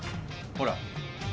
ほら。